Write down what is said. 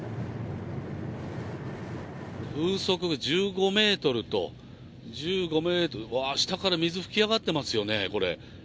風速１５メートルと、１５メートル、わー、下から水噴き上がってますよね、これ。